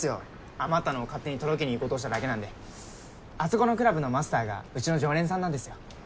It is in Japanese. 余ったのを勝手に届けに行こうとしただけなんであそこのクラブのマスターがうちの常連さんなんですよ